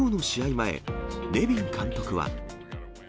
前、ネビン監督は。